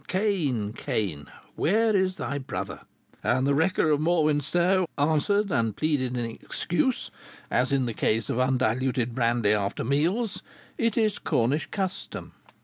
Cain! Cain! where is thy brother? And the wrecker of Morwenstow answered and pleaded in excuse, as in the case of undiluted brandy after meals, 'It is Cornish custom.'